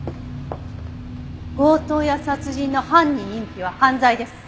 強盗や殺人の犯人隠避は犯罪です！